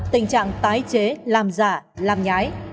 tình trạng tái chế làm giả làm nhái